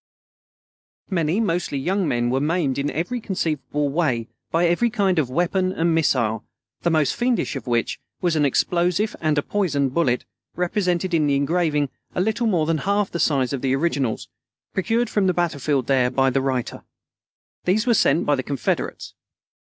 Many, mostly young men, were maimed in every conceivable way, by every kind of weapon and missile, the most fiendish of which was an explosive and a poisoned bullet, represented in the engraving a little more than half the size of the originals, procured from the battlefield there by the writer. _These were sent by the Confederates.